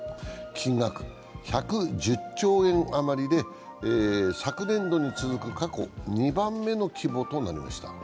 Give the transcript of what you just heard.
金額は１１０兆円余りで昨年度に続く過去２番目の規模となりました。